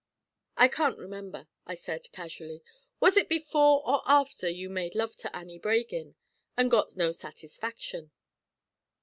"I can't remember," I said, casually. "Was it before or after you made love to Annie Bragin, and got no satisfaction?"